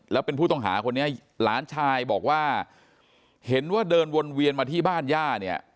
แล้วเป็นผู้ต้องหาคนนี้หลานชายบอกว่าเห็นว่าเดินวนเวียนมาที่บ้านย่าเนี่ย